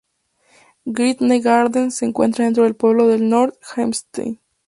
Great Neck Garden se encuentra dentro del pueblo de North Hempstead.